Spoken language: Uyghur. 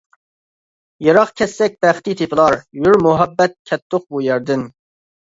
يىراق كەتسەك بەختى تېپىلار، يۈر مۇھەببەت كەتتۇق بۇ يەردىن.